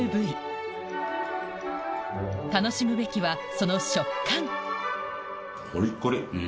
楽しむべきはその食感